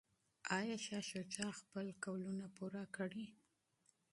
ایا شاه شجاع به خپلي ژمني پوره کړي؟